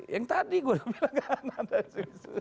yang tadi gue bilang gak ada